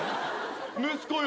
息子よ。